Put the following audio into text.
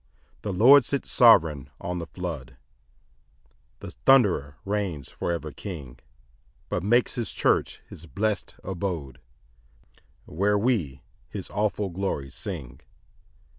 5 The Lord sits sovereign on the flood, The thunderer reigns for ever king; But makes his church his blest abode, Where we his awful glories sing.